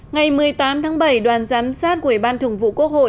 ngày một mươi tám tháng bảy đoàn giám sát của ủy ban thường vụ quốc hội